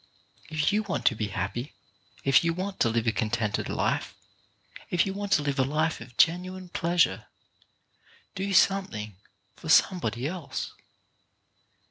If you want to be happy, if you want to live a contented life, if you want to live a life of genuine pleasure, do something for somebody else.